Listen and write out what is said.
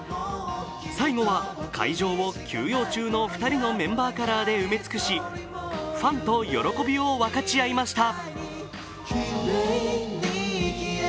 最後は会場を休養中の２人のメンバーカラーで埋め尽くしファンと喜びを分かち合いました。